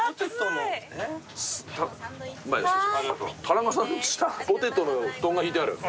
田中さんのポテトの布団が敷いてある。